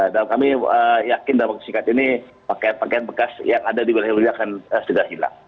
dan kami yakin dalam kesingkatan ini pakaian pakaian bekas yang ada di wilayah indonesia akan sederhana hilang